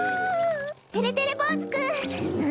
てれてれぼうずくん！